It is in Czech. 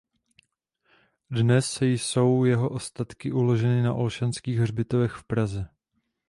Dnes jsou jeho ostatky uloženy na Olšanských hřbitovech v Praze.